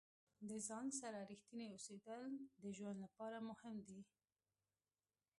د ځان سره ریښتیني اوسیدل د ژوند لپاره مهم دي.